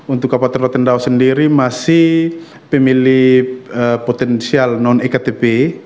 untuk kapal terotendau sendiri masih pemilih potensial non ektp